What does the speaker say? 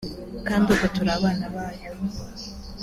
kandi ubwo turi abana bayo